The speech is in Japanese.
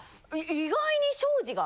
意外に庄司が。